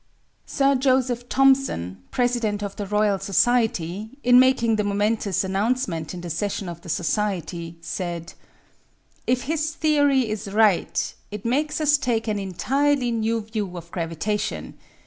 Sir Joseph Thomson, President of the Royal Society, in making the momentous announcement in the session of the Society, said : If his theory is right, it makes us take an entirely new view of gravitation.